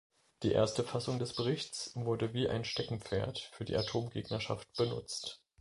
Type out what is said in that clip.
Die erste Fassung des Berichts wurde wie ein Steckenpferd für die Atomgegnerschaft benutzt.